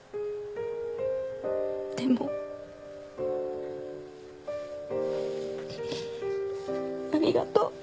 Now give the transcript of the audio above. でもありがとう